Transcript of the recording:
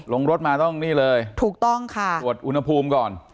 รถมาต้องนี่เลยถูกต้องค่ะตรวจอุณหภูมิก่อน